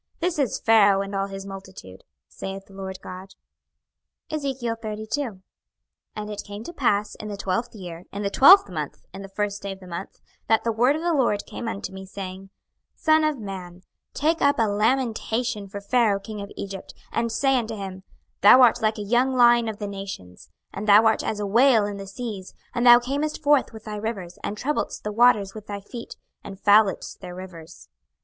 This is Pharaoh and all his multitude, saith the Lord GOD. 26:032:001 And it came to pass in the twelfth year, in the twelfth month, in the first day of the month, that the word of the LORD came unto me, saying, 26:032:002 Son of man, take up a lamentation for Pharaoh king of Egypt, and say unto him, Thou art like a young lion of the nations, and thou art as a whale in the seas: and thou camest forth with thy rivers, and troubledst the waters with thy feet, and fouledst their rivers.